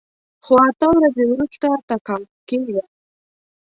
خو اته ورځې وروسته تقاعد کېږم.